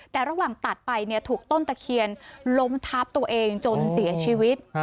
แต่ระหว่างตัดไปถูกต้นตะเคียนล้มทับตัวเองจนเสียชีวิต